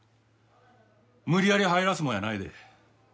無理やり入らすもんやないで。